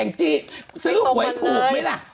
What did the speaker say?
แอ้งจิซื้อหวยถูกไหมล่ะ